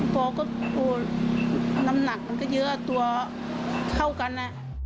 พอก็โอ้น้ำหนักมันก็เยอะตัวเข้ากันอ่ะ